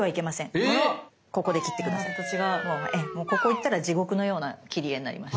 もうここ行ったら地獄のような切り絵になります。